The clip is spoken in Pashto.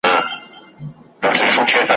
زه به درځم د توتکیو له سېلونو سره ,